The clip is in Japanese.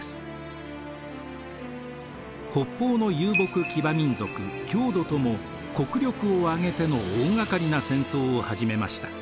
北方の遊牧騎馬民族匈奴とも国力を挙げての大がかりな戦争を始めました。